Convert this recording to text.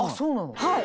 はい。